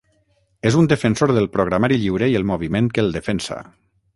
És un defensor del programari lliure i el moviment que el defensa.